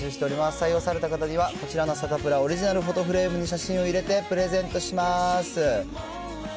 採用された方には、こちらのサタプラオリジナルフォトフレームに写真を入れてプレゼントします。